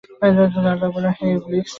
আল্লাহ বললেন, হে ইবলীস!